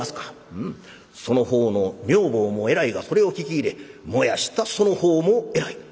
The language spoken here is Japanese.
「うんその方の女房も偉いがそれを聞き入れ燃やしたその方も偉い」。